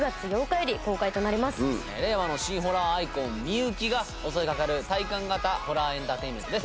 令和の新ホラーアイコン美雪が襲いかかる体感型ホラーエンターテインメントです。